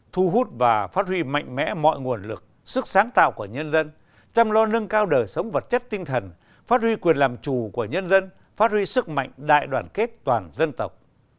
thu hút và phát huy mạnh mẽ mọi nguồn lực sức sáng tạo của nhân dân chăm lo nâng cao đời sống vật chất tinh thần phát huy quyền làm chủ của nhân dân phát huy sức mạnh đại đoàn kết toàn dân tộc